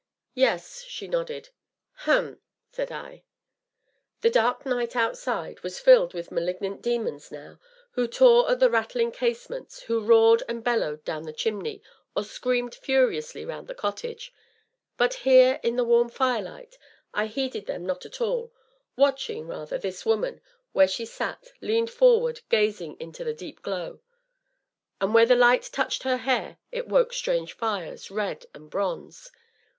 "Yes," she nodded. "Hum!" said I. The dark night, outside, was filled with malignant demons now, who tore at the rattling casements, who roared and bellowed down the chimney, or screamed furiously round the cottage; but here, in the warm firelight, I heeded them not at all, watching, rather, this woman, where she sat, leaned forward, gazing deep into the glow. And where the light touched her hair it woke strange fires, red and bronze.